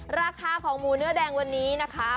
ราคาของหมูเนื้อแดงวันนี้นะคะ